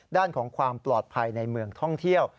ด้านของความปลอดภัยในเมืองท่องเที่ยว